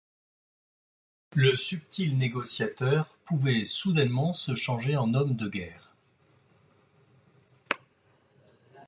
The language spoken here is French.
Le subtil négociateur pouvait soudainement se changer en homme de guerre.